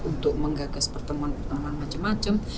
untuk menggagas pertemuan pertemuan macam macam